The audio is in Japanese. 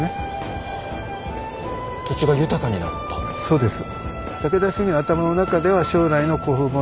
そうです。